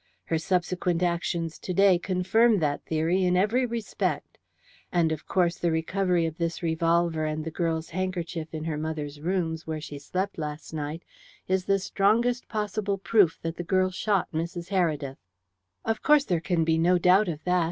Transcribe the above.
Her subsequent actions to day confirm that theory in every respect. And, of course, the recovery of this revolver and the girl's handkerchief in her mother's rooms, where she slept last night, is the strongest possible proof that the girl shot Mrs. Heredith." "Of course there can be no doubt of that.